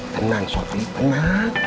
tenang sofi tenang